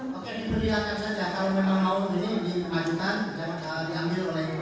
bagaimana dengan penceritakan saksi tentang perusahaan agresif